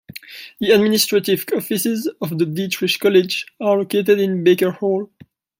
The administrative offices of the Dietrich College are located in Baker Hall.